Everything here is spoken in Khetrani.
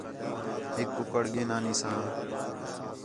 ہِک کُکڑ گِھن آنی ساں